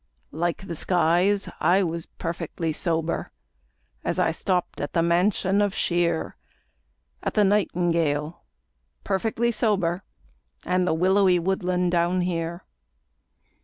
Like the skies, I was perfectly sober, As I stopped at the mansion of Shear, At the Nightingale, perfectly sober, And the willowy woodland down here.